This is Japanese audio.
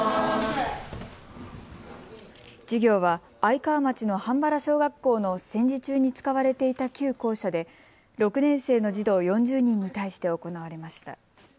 授業は愛川町の半原小学校の戦時中に使われていた旧校舎で６年生の児童４０人に対して行われました。